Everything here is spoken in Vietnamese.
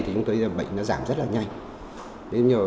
thì chúng tôi bệnh nó giảm rất là nhanh